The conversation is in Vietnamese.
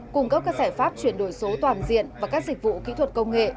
cung cấp các giải pháp chuyển đổi số toàn diện và các dịch vụ kỹ thuật công nghệ